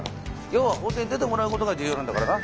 要は法廷に出てもらうことが重要なんだからな。